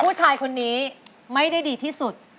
ผู้ชายคนนี้ไม่ได้ดีที่สุด